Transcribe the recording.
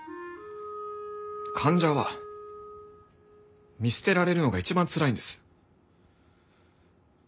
患者は見捨てられるのが一番つらいんです。